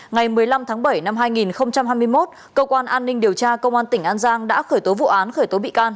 ngày một mươi năm tháng bảy năm hai nghìn hai mươi một cơ quan an ninh điều tra công an tỉnh an giang đã khởi tố vụ án khởi tố bị can